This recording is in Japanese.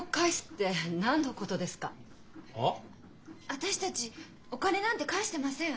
私たちお金なんて返してません。